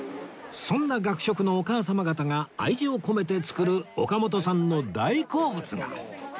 そんな学食のお母様方が愛情込めて作る岡本さんの大好物が